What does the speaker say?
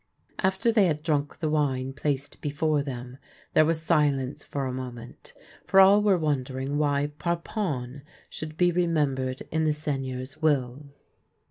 After they had drunk the wine placed before them, there was silence for a moment, for all were wondering why Parpon should be remembered in the Seigneur's will.